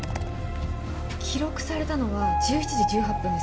記録されたのは１７時１８分です。